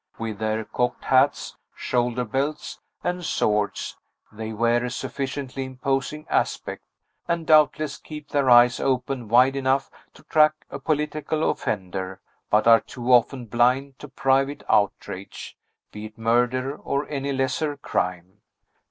With their cocked hats, shoulder belts, and swords, they wear a sufficiently imposing aspect, and doubtless keep their eyes open wide enough to track a political offender, but are too often blind to private outrage, be it murder or any lesser crime.